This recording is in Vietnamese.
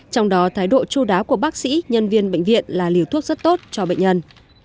trong đó thái độ chú đáo của bác sĩ nhân viên bệnh viện là liều thuốc rất tốt cho bệnh nhân